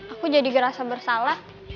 aku jadi gerasa bersalah